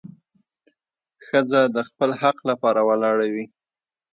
ښځه د خپل حق لپاره ولاړه وي.